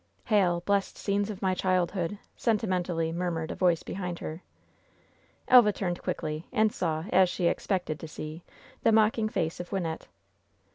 " ^Hail, blest scenes of my childhood !^'' sentimentally murmured a voice behind her. Elva turned quickly, and saw, as she expected to see, the mocking face of Wynnette.